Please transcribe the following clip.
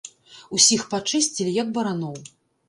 Усіх пачысцілі, як бараноў.